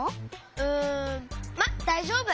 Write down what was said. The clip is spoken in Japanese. うんまっだいじょうぶ！